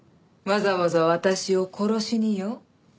わざわざ私を殺しによ。